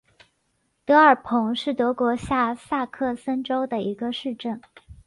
德尔彭是德国下萨克森州的一个市镇。